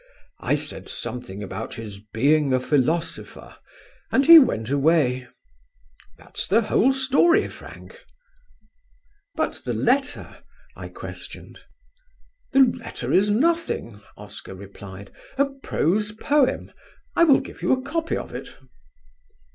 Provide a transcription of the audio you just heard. I said something about his being a philosopher, and he went away. That's the whole story, Frank." "But the letter?" I questioned. "The letter is nothing," Oscar replied; "a prose poem. I will give you a copy of it."